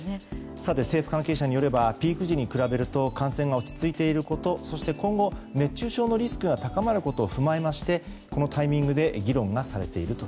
政府関係者によればピーク時に比べると感染が落ち着いていることそして、今後、熱中症のリスクが高まることを踏まえましてこのタイミングで議論がされていると。